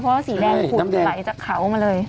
เพราะว่าสีแดงขุ่นไหลจากเขามาเลย